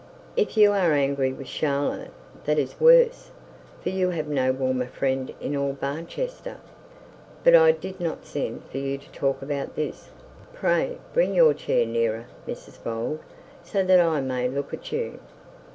'If you are angry with Charlotte, that is worse; for you have no warmer friend in all Barchester. But I did not send for you to talk about this pray bring your chair nearer, Mrs Bold, so that I may look at you.